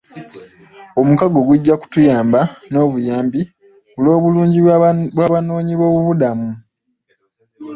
Omukago gujja kutuyamba n'obuyambi ku lw'obulungi bw'abanoonyiboobubudamu.